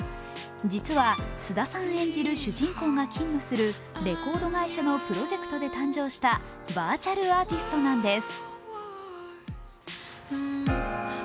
実は菅田さん演じる主人公が勤務するレコード会社のプロジェクトで誕生したバーチャルアーティストなんです。